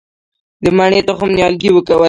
د مڼې تخم نیالګی ورکوي؟